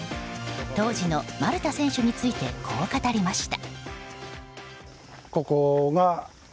当時の丸田選手についてこう語りました。